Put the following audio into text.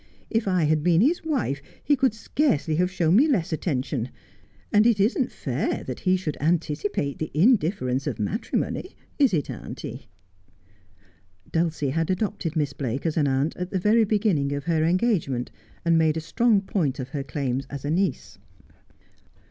If I had been his wife he could scarcely have shown me less atten tion : and it isn't fair that he should anticipate the indifference of matrimony, is it, auntie 1 ' Dulcie had adopted Miss Blake as an aunt at the very beginning of her engagement, and made a strong point of her claims as a niece.